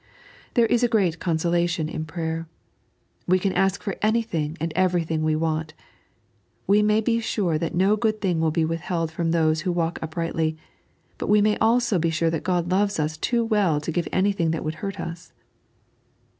This is a great consolation in prayer. We can ask for anything and everything we want; we may be sitto that no good thing will be withholden from those who walk uprightly ; but we may also be sure that God loves us too well to give anything that would hurt us.